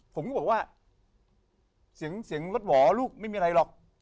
ผมก็บอกว่าเสียงรถหวอลูกไม่มีอะไรหรอก